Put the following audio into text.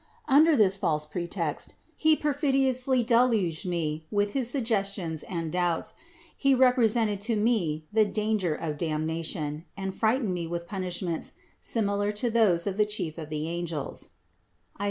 Under this false pretext he perfidiously deluged me with his suggestions and doubts; he represented to me the danger of damnation and frightened me with punish ments similar to those of the chief of the angels (Is.